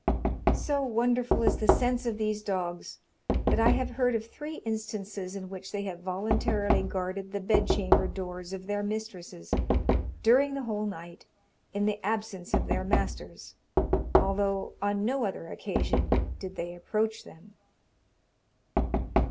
So wonderful is the sense of these dogs, that I have heard of three instances in which they have voluntarily guarded the bed chamber doors of their mistresses, during the whole night, in the absence of their masters, although on no other occasion did they approach them.